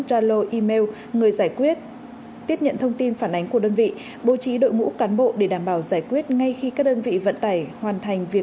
sai lộ trình giấy đi đường phản ánh của nhóm phóng viên